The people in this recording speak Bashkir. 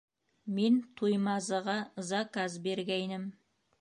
Мин Туймазыға заказ биргәйнем